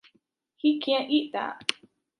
He can’t eat that.